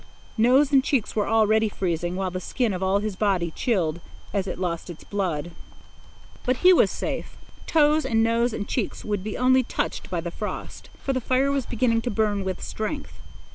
Nose and cheeks were already freezing, while the skin of all his body chilled as it lost its blood. But he was safe. Toes and nose and cheeks would be only touched by the frost, for the fire was beginning to burn with strength.